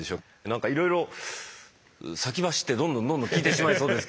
なんかいろいろ先走ってどんどんどんどん聞いてしまいそうですけど。